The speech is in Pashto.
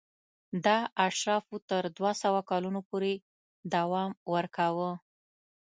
دا اشرافو تر دوه سوه کلونو پورې دوام ورکاوه.